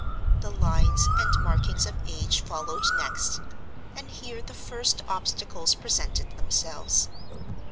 The lines and markings of age followed next; and here the first obstacles presented themselves.